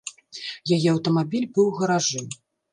Яе аўтамабіль быў у гаражы.